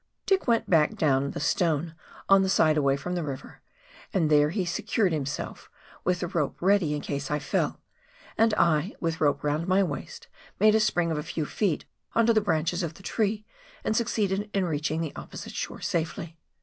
Dick went back down the stone on the side away from the river, and there he secured himself, with the rope ready in case I fell ; and I, with rope round my waist, made a spring of a few feet on to the branches of the tree, and succeeded in reaching the opposite shore safely.